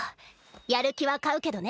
やる気は買うけどね。